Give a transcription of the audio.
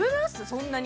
そんなに。